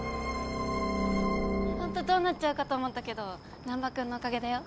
ホントどうなっちゃうかと思ったけど難破君のおかげだよ。